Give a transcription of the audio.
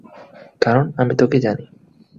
কারন আমি তোকে জানি।